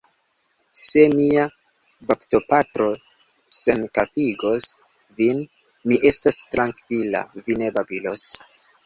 Se mia baptopatro senkapigos vin, mi estos trankvila, vi ne babilos.